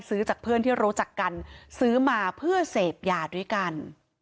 ซื้อจากเพื่อนที่รู้จักกันซื้อมาเพื่อเสพยาด้วยกัน